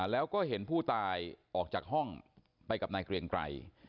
แล้วก็เห็นผู้ตายออกจากห้องไปกับนายเกรียงไกร